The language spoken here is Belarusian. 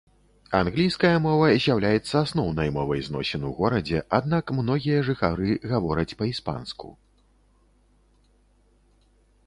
Англійская мова з'яўляецца асноўнай мовай зносін у горадзе, аднак многія жыхары гавораць па-іспанску.